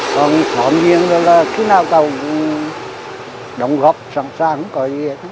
còn xóm riêng là khi nào cầu cũng đồng góp sẵn sàng không có gì hết